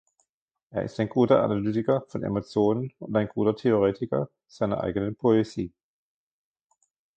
Er ist ein guter Analytiker von Emotionen und ein guter Theoretiker seiner eigenen Poesie.